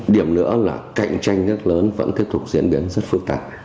điểm nữa là cạnh tranh nước lớn vẫn tiếp tục diễn biến rất phức tạp